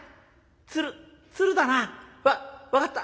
鶴鶴だな。わ分かった。